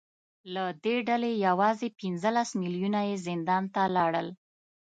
له دې ډلې یوازې پنځلس میلیونه یې زندان ته لاړل